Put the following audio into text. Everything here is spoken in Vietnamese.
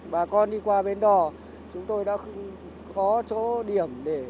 bà con đi qua bến đỏ bà con đi qua bến đỏ bà con đi qua bến đỏ bà con đi qua bến đỏ bà con đi qua bến đỏ